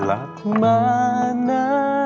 รักมานะ